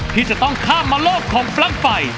ที่จะต้องข้ามมาโลกของปลั๊กไฟ